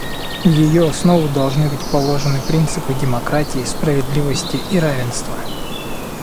В ее основу должны быть положены принципы демократии, справедливости и равенства.